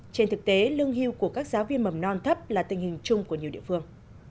trên thực tế lương hưu của các giáo viên mầm non thấp là tình hình chung của nhiều địa phương